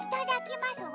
まますわ？